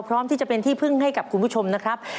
พร้อมที่จะเป็นที่พึ่งให้กับคุณผู้ชมนะครับ